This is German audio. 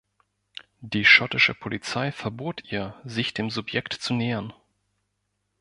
Die schottische Polizei verbot ihr, sich dem Subjekt zu nähern.